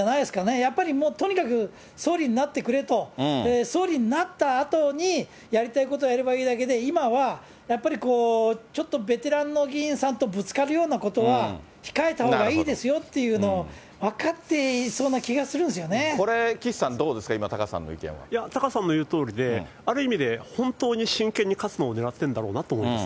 やっぱりとにかく総理になってくれと、総理になったあとにやりたいことをやればいいだけで、今はやっぱりちょっとベテランの議員さんとぶつかるようなことは控えたほうがいいですよっていうの、分かっていそうな気がするんこれ、岸さん、どうですか、いや、タカさんの言うとおりで、ある意味で本当に真剣に勝つのをねらってるんだろうなと思います。